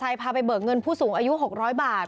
พาไปเบิกเงินผู้สูงอายุ๖๐๐บาท